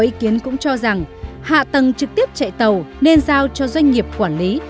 ý kiến cũng cho rằng hạ tầng trực tiếp chạy tàu nên giao cho doanh nghiệp quản lý